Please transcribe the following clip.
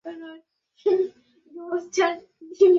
মিজুরি নদীর দক্ষিণ তীরে ইন্ডিপেন্ডেন্স শহরের অবস্থান।